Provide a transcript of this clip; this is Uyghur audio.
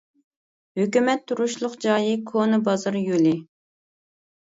ھۆكۈمەت تۇرۇشلۇق جايى كونا بازار يولى.